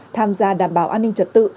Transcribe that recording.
tham gia đảm bảo an ninh trật tự